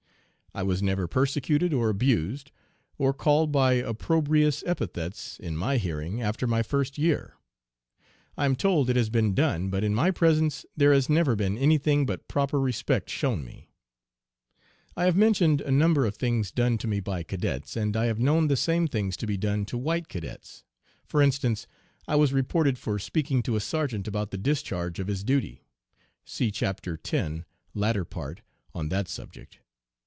I was never persecuted, or abused, or called by approbrious epithets in my hearing after my first year. I am told it has been done, but in my presence there has never been any thing but proper respect shown me. I have mentioned a number of things done to me by cadets, and I have known the same things to be done to white cadets. For instance, I was reported for speaking to a sergeant about the discharge of his duty. (See Chapter X., latter part, on that subject.)